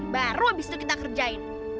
baru habis itu kita kerjain